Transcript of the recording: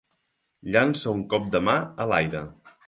Llança un cop de mà a l'aire.